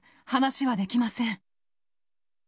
話はできません。